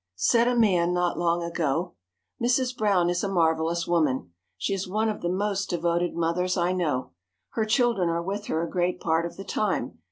Said a man not long ago: "Mrs. Brown is a marvelous woman. She is one of the most devoted mothers I know. Her children are with her a great part of the time.